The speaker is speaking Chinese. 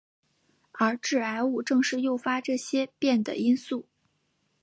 而致癌物正是诱发这些变的因素。